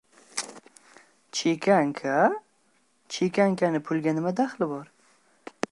— Chekanka? Chekankani pulga nima daxli bor?